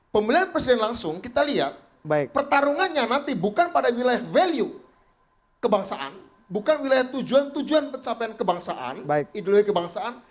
pemilihan presiden langsung kita lihat pertarungannya nanti bukan pada wilayah value kebangsaan bukan wilayah tujuan tujuan pencapaian kebangsaan ideologi kebangsaan